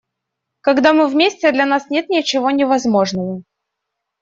Когда мы вместе, для нас нет ничего невозможного.